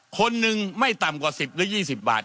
คนหนึ่งไม่ต่ำกว่าสิบหรือยี่สิบบาท